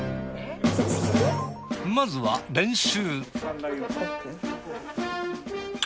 まずは練習。